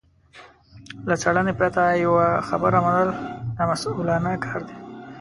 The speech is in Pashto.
له څېړنې پرته يوه خبره منل نامسوولانه کار دی.